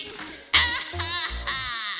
アッハッハ！